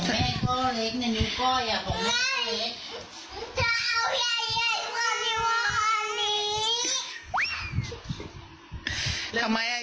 แม่จะเอาใหญ่กว่านี้